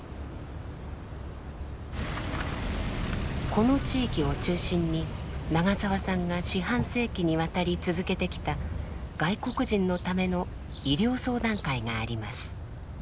この地域を中心に長澤さんが四半世紀にわたり続けてきた外国人のための「医療相談会」があります。